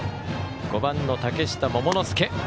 ５番の嶽下桃之介。